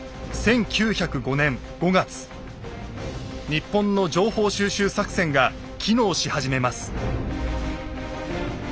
日本の情報収集作戦が機能し始めます。